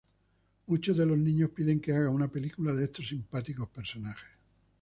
Muchos de los niños piden que hagan una película de estos simpáticos personajes.